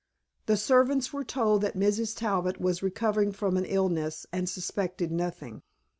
The servants were told that Mrs. Talbot was recovering from an illness and suspected nothing.